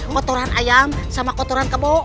kotoran ayam sama kotoran kamu